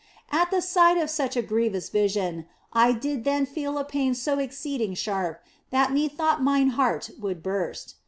At the sight of such a grievous vision I did then feel a pain so exceeding sharp that methought mine heart would burst.